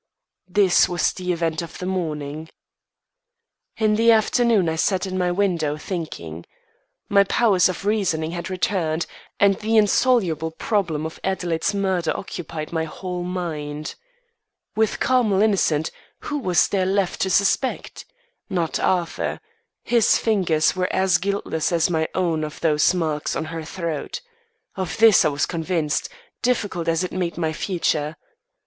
This was the event of the morning. In the afternoon I sat in my window thinking. My powers of reasoning had returned, and the insoluble problem of Adelaide's murder occupied my whole mind. With Carmel innocent, who was there left to suspect? Not Arthur. His fingers were as guiltless as my own of those marks on her throat. Of this I was convinced, difficult as it made my future.